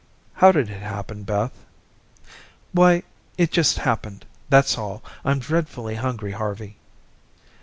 "How did it happen, Beth?" "Why it just happened. That's all. I'm dreadfully hungry, Harvey."